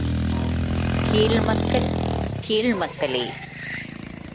கீழ் மக்கள் கீழ் மக்களே!